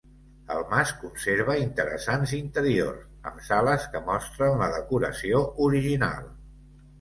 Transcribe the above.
El mas conserva interessants interiors, amb sales que mostren la decoració original.